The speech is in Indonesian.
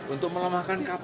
untuk melemahkan kpk